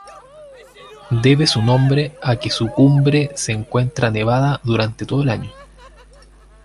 Debe su nombre a que su cumbre se encuentra nevada durante todo el año.